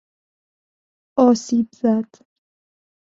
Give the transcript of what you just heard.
آسیبزد